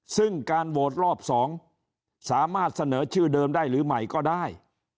ซึ่งการโหวตรอบ๒สามารถเสนอชื่อเดิมได้หรือใหม่ก็ได้